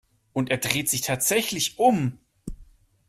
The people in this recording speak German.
Und er dreht sich tatsächlich um.